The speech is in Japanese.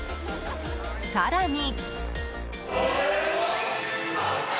更に。